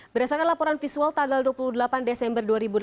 berdasarkan laporan visual tanggal dua puluh delapan desember dua ribu delapan belas